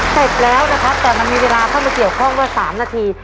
เสร็จแล้วนะครับแต่มันมีเวลาเข้ามาเกี่ยวข้องว่า๓นาที